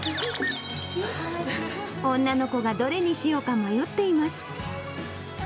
女の子がどれにしようか迷っています。